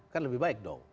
kan lebih baik dong